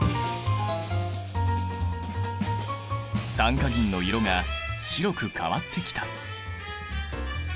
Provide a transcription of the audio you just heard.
酸化銀の色が白く変わってきた。